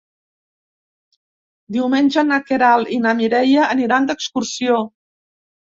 Diumenge na Queralt i na Mireia aniran d'excursió.